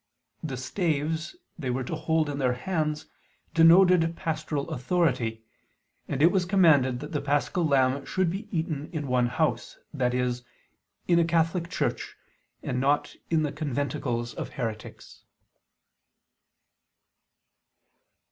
The staves they were to hold in their hands denoted pastoral authority: and it was commanded that the paschal lamb should be eaten in one house, i.e. in a catholic church, and not in the conventicles of heretics.